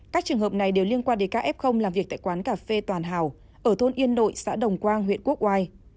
các trường hợp này đều liên quan đến ca f làm việc tại quán cà phê toàn hào ở thôn yên nội xã đồng quang huyện quốc oai